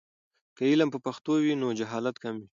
که علم په پښتو وي، نو جهالت کم وي.